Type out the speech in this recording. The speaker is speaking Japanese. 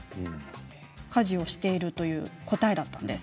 家事をしているという答えだったんです。